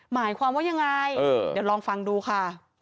หมายความว่ายังไงเดี๋ยวลองฟังดูค่ะ